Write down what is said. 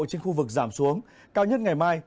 trên khu vực giảm xuống cao nhất ngày mai